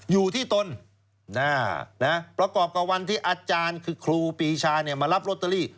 อยู่ที่ตนประกอบกับวันที่อาจารย์คือครูปีชามารับลอตเตอรี่